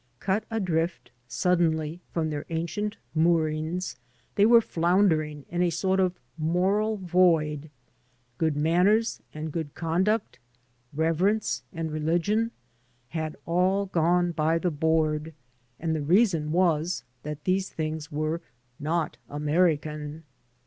Cut adrift suddenly from their ancient moorings, they were floundering in a sort of moral void. Good manners and good conduct, reverence and religion, had aU gone by tl^e b^ard, and the reason was that these things were not ^^erican.